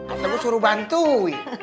atau gua suruh bantuin